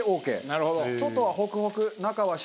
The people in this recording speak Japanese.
なるほど。